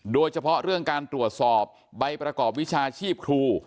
โดยเฉพาะเรื่องการตรวจสอบใบประกอบวิชาชีพครู